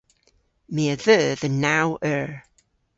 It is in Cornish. My a dheu dhe naw eur.